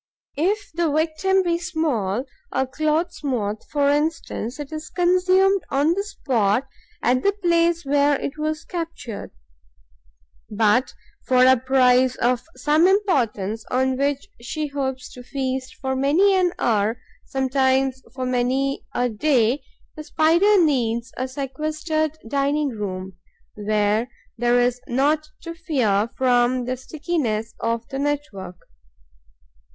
If the victim be small, a Clothes moth, for instance, it is consumed on the spot, at the place where it was captured. But, for a prize of some importance, on which she hopes to feast for many an hour, sometimes for many a day, the Spider needs a sequestered dining room, where there is naught to fear from the stickiness of the network.